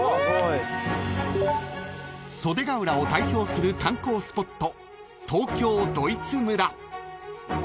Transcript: ［袖ケ浦を代表する観光スポット］